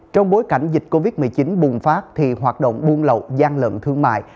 trong bối cảnh dịch covid một mươi chín bùng phát thì hoạt động buôn lậu gian lận thương mại